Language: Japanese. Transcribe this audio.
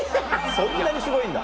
そんなにすごいんだ。